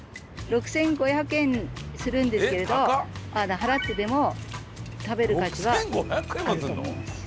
６５００円するんですけれど払ってでも食べる価値はあると思います。